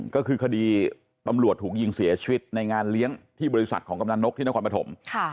ก็คือคดีตำรวจถูกยิงเสียชีวิตในงานเลี้ยงที่บริษัทของกำลังนกที่นครปฐม